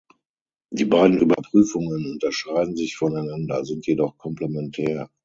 Die beiden Überprüfungen unterscheiden sich voneinander, sind jedoch komplementär.